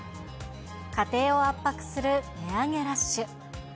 家庭を圧迫する値上げラッシュ。